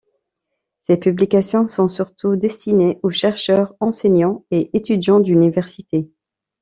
Ces publications sont surtout destinées aux chercheurs, enseignants et étudiants d'université.